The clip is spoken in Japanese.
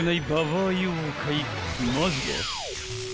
［まずは］